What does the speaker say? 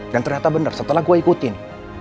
dan ternyata bener setelah gue ikutin